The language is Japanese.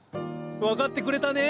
分かってくれたね。